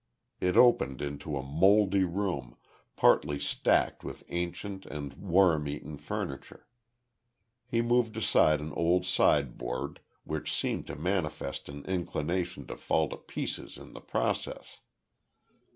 It opened into a mouldy room, partly stacked with ancient and worm eaten furniture. He moved aside an old sideboard, which seemed to manifest an inclination to fall to pieces in the process.